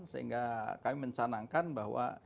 sehingga kami mencanangkan bahwa